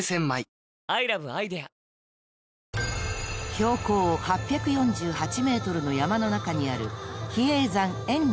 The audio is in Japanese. ［標高８４８ｍの山の中にある］